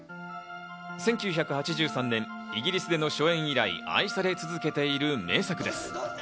１９８３年、イギリスでの初演以来、愛され続けている名作です。